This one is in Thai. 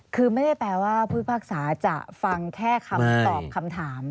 คือไม่ได้แปลว่าผู้พิพากษาจะฟังแค่คำตอบคำถาม